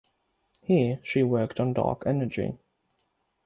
Here she worked on dark energy.